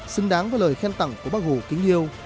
xứng đáng với lời khen tặng của bác hồ kính yêu